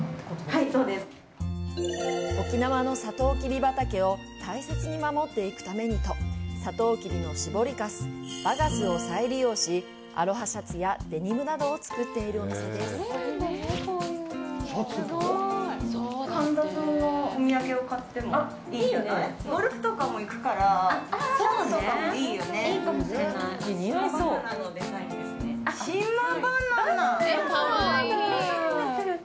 はいそうです沖縄のサトウキビ畑を大切に守っていくためにとサトウキビの搾りカスバガスを再利用しアロハシャツやデニムなどを作っているお店です島バナナバナナだ